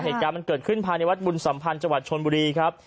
เหตุการณ์มันเกิดขึ้นภายในวัดบุญสัมพันธ์จังหวัดชนบุรีครับ